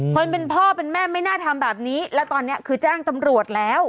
คนเป็นพ่อเป็นแม่ไม่น่าทำแบบนี้แล้วตอนนี้คือแจ้งตำรวจแล้ว